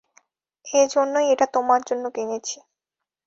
এজন্যই এটা তোমার জন্য কিনেছি।